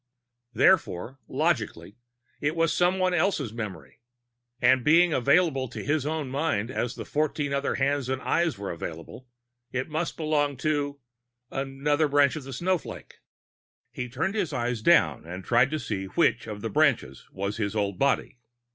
_ Therefore, logically, it was someone else's memory; and being available to his own mind, as the fourteen other hands and eyes were available, it must belong to another branch of the snowflake. He turned his eyes down and tried to see which of the branches was his old body.